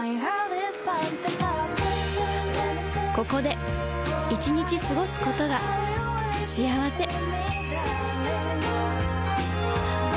ここで１日過ごすことが幸せ